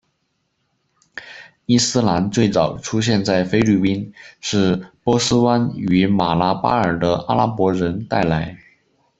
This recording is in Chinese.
伊斯兰最早出现在菲律宾是波斯湾与马拉巴尔的阿拉伯人带来。